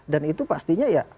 dan itu pastinya ya